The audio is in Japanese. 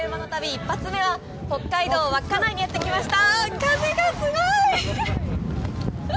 １発目は、北海道・稚内にやってきました。